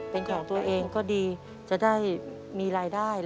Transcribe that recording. เป็นของตัวเองก็ดีจะได้มีรายได้